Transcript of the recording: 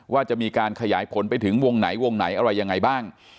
ว่าจะมีการขยายผลไปถึงวงไหนวงไหนอะไรยังไงบ้าง